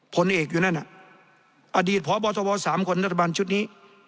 ผลเอกอยู่นั่นน่ะอดีตพบทบ๓คนรัฐบาลชุดนี้